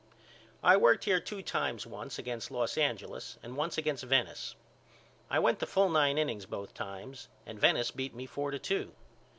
I worked here two times once against Los Angeles and once against Venice. I went the full nine innings both times and Venice beat me four to two.